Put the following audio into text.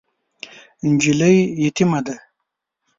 نجلۍ یتیمه ده .